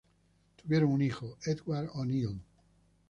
Tuvieron un hijo, Edward O'Neill.